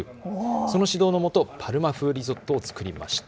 その指導のもと、パルマ風リゾットを作りました。